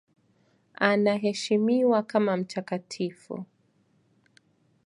Anaheshimiwa kama mtakatifu.